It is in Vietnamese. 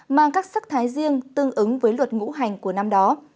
mang các sắc thái riêng tương ứng với luật ngũ hành của năm đó